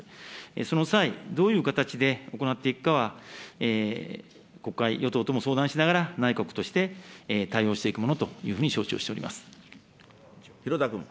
その際、どういう形で行っていくかは国会、与党とも相談しながら、内閣として対応していくものというふうに承知をしております。